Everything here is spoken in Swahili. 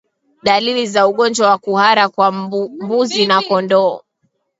Dalili za ugonjwa wa kuhara kwa mbuzi na kondoo